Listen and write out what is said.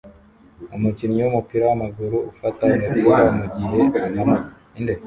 Umukinnyi wumupira wamaguru ufata umupira mugihe umanuka